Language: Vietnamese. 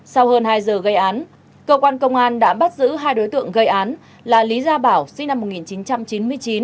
sau hơn hai giờ gây án cơ quan công an đã bắt giữ hai đối tượng gây án là lý gia bảo sinh năm một nghìn chín trăm chín mươi chín